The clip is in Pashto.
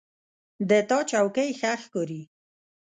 د تا چوکۍ ښه ښکاري